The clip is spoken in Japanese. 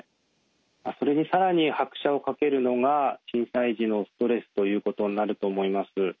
それに更に拍車をかけるのが震災時のストレスということになると思います。